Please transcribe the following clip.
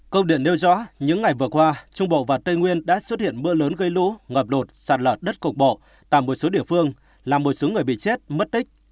công điện nêu rõ những ngày vừa qua trung bộ và tây nguyên đã xuất hiện mưa lớn gây lũ ngập lụt sạt lở đất cục bộ tại một số địa phương làm một số người bị chết mất tích